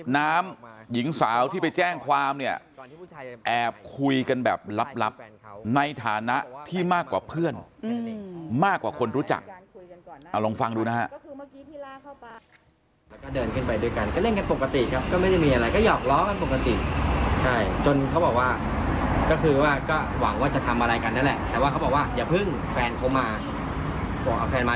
นี่ผมก็เดินออกมาและเจอกับแฟนเขา